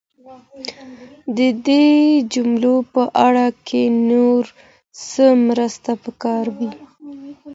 د دې جملو په اړه که نور څه مرسته پکار وي؟